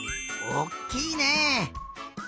おっきいね！